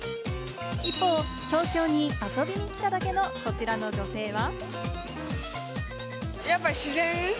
一方、東京に遊びに来ただけのこちらの女性は。